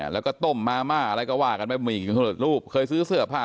แล้วก็ต้มมาม่าอะไรก็ว่ากันไปหมี่กึ่งสำเร็จรูปเคยซื้อเสื้อผ้า